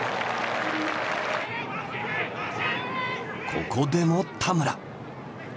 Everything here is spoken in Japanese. ここでも田村！